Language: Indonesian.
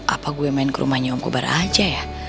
apa gue main ke rumahnya om kobar aja ya